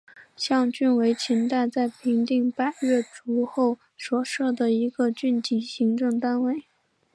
象郡为秦代在平定百越族后所设的一个郡级行政单位。